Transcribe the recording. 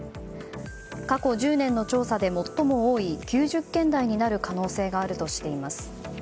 過去１０年の調査で最も多い９０件台になる可能性があるとしています。